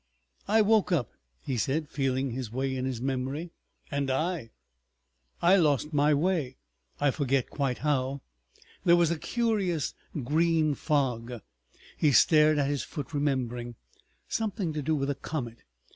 "I woke up," he said, feeling his way in his memory. "And I." "I lost my way—I forget quite how. There was a curious green fog." He stared at his foot, remembering. "Something to do with a comet.